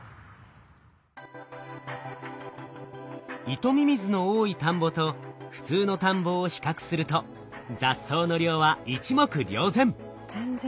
イトミミズの多い田んぼと普通の田んぼを比較すると雑草の量は一目瞭然。